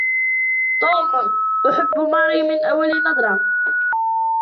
توم احب ماري من اول نظره.